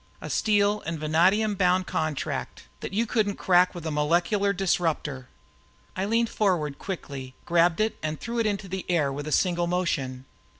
A steel and vanadium bound contract that you couldn't crack with a molecular disruptor." I leaned out quickly, grabbed it and threw it into the air with a single motion.